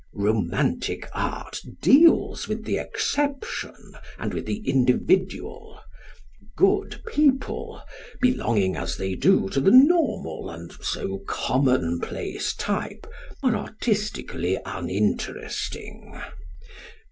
Romantic art deals with the exception and with the individual. Good people, belonging as they do to the normal, and so, commonplace type, are artistically uninteresting.